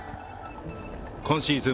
今シーズン